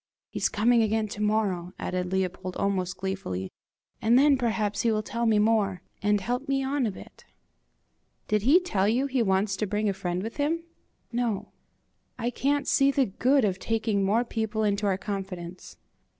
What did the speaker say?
"He's coming again to morrow," added Leopold, almost gleefully, "and then perhaps he will tell me more, and help me on a bit!" "Did he tell you he wants to bring a friend with him?" "No." "I can't see the good of taking more people into our confidence."